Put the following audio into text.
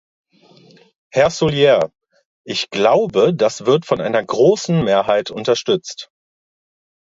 Herr Soulier, ich glaube, das wird von einer großen Mehrheit unterstützt.